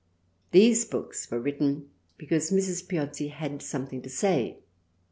These books were written because Mrs. Piozzi had something to say.